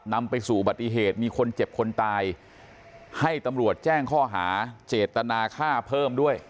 นำไปสู่อุบัติเหตุมีคนเจ็บคนตายให้ตำรวจแจ้งข้อหาเจตนาฆ่าเพิ่มด้วย